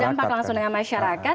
berdampak langsung dengan masyarakat